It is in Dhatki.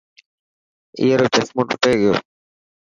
ائي رو چشمو ٽٽي گيو.